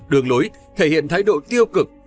đường lối thể hiện thái độ tiêu cực